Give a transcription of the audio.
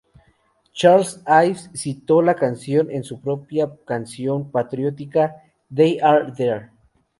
Charles Ives citó la canción en su propia canción patriótica, "They Are There".